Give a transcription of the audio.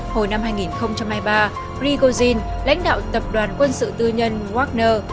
hồi năm hai nghìn hai mươi ba rigozhin lãnh đạo tập đoàn quân sự tư nhân wagner